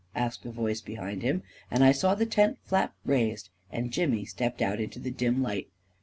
" asked a voice behind him, and I saw the tent flap raised, and Jimmy stepped out into the dim light.